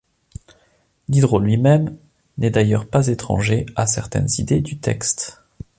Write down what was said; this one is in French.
Diderot lui-même n'est d'ailleurs pas étranger à certaines idées du texte.